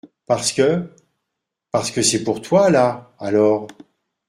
Parce que ?… parce que c’est pour toi, là ! alors…